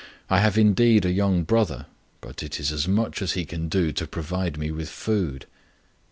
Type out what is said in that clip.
I have indeed a young brother, but it is as much as he can do to provide me with food."